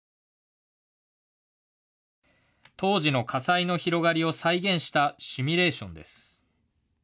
当時の火災の広がりを再現したシミュレーションです。